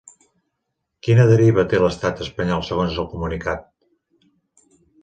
Quina deriva té l'estat espanyol segons el comunicat?